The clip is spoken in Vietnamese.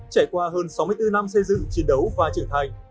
trải qua hơn sáu mươi bốn năm xây dựng chiến đấu và trưởng thành